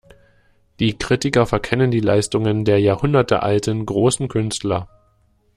Die Kritiker verkennen die Leistungen der jahrhundertealten, großen Künstler.